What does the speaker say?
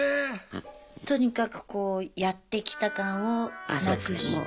とにかくこうやって来た感をなくして。